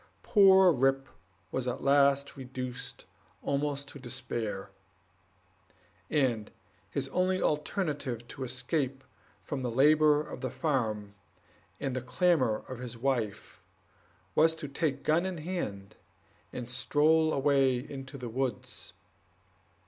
Poor Rip was at last reduced almost to despair; and his only alternative, to escape from the labor of the farm and clamor of his wife, was to take gun in hand and stroll away into the woods.